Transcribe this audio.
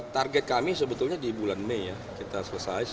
target kami sebetulnya di bulan mei ya kita selesai